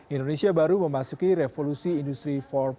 indonesia baru memasuki revolusi industri empat